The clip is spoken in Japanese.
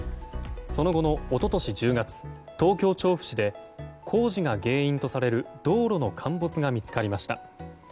その後の一昨年１０月東京・調布市で工事が原因とされる道路の陥没が見つかりました。